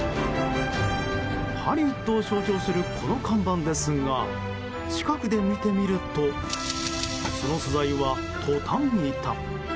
ハリウッドを象徴するこの看板ですが近くで見てみるとその素材はトタン板。